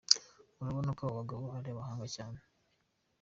urabona ko aba bagabo ari abahanga cyane.